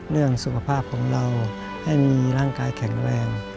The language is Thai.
เรื่องสุขภาพของเราให้มีร่างกายแข็งแรง